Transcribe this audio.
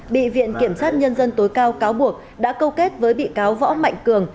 bị viện kiểm sát nhân dân tối cao cáo buộc đã câu kết với bị cáo võ mạnh cường